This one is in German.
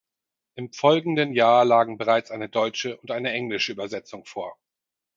Im folgenden Jahr lagen bereits eine deutsche und eine englische Übersetzung vor.